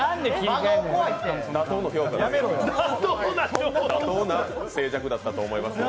妥当な静寂だったと思います。